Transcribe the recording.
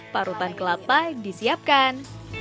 bahan kelapa disiapkan